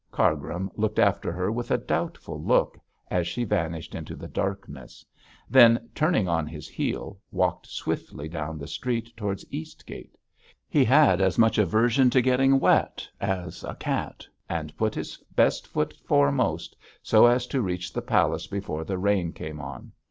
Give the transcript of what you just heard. Cargrim looked after her with a doubtful look as she vanished into the darkness, then, turning on his heel, walked swiftly down the street towards Eastgate. He had as much aversion to getting wet as a cat, and put his best foot foremost so as to reach the palace before the rain came on.